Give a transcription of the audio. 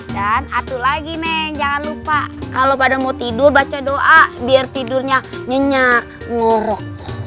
dan atuh lagi neng jangan lupa kalau pada mau tidur baca doa biar tidurnya nyenyak ngorok